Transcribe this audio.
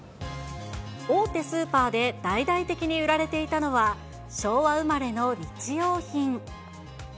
大手スーパーで大々的に売られていたのは、昭和生まれの日用品。